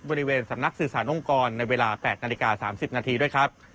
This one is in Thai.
บริเวณสำนักสื่อสารองค์กรในเวลา๘นาฬิกา๓๐นาทีด้วยครับ